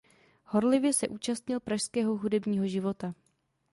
Horlivě se účastnil pražského hudebního života.